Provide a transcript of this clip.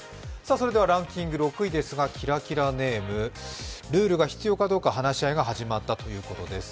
ランキング６位ですが、キラキラネーム、ルールが必要かどうか話し合いが始まったということです。